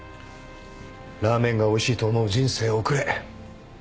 「ラーメンが美味しいと思う人生を送れ」。